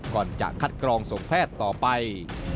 ก่อนจะคัดกรองส่งแพทย์ต่อไป